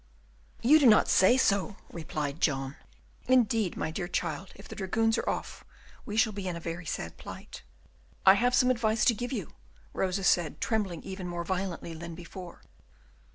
"You do not say so!" replied John. "Indeed, my dear child, if the dragoons are off, we shall be in a very sad plight." "I have some advice to give you," Rosa said, trembling even more violently than before.